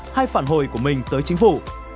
hay phản hồi của mình tới chính phủ